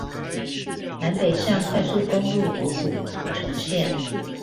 南北向快速公路五股土城線